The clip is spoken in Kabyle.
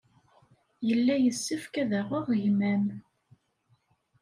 Yella yessefk ad aɣeɣ gma-m.